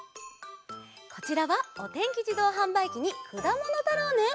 こちらは「おてんきじどうはんばいき」に「くだものたろう」のえ。